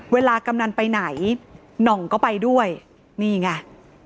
กำนันไปไหนหน่องก็ไปด้วยนี่ไง